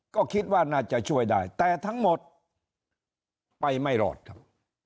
ก็คิดว่าน่าจะช่วยได้แต่ทั้งหมดไปไม่รอดครับ